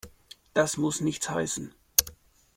Das muss nichts heißen.